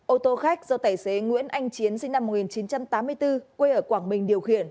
ô tô khách do tài xế nguyễn anh chiến sinh năm một nghìn chín trăm tám mươi bốn quê ở quảng bình điều khiển